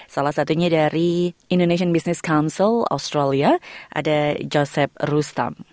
salah satunya dari indonesian business council australia ada joseph rustam